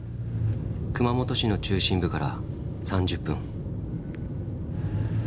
熊本市の中心部から３０分。